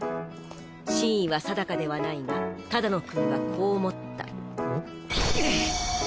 真意は定かではないが只野くんはこう思ったんっ？